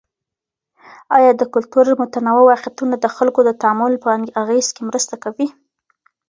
آیا د کلتور متنوع واقعيتونه د خلګو د تعامل په اغیز کي مرسته کوي؟